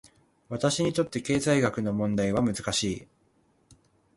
私にとって、経済学の問題は難しい。